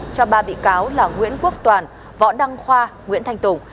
cho ba bị cáo là nguyễn quốc toàn võ đăng khoa nguyễn thanh tùng